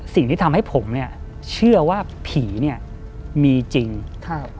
สิ่งที่ทำให้ผมเนี้ยเชื่อว่าผีเนี้ยมีจริงครับ